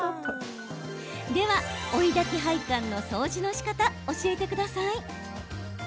では、追いだき配管の掃除のしかた、教えてください。